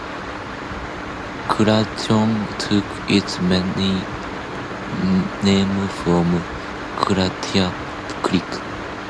Clatonia took its name from Clatonia Creek.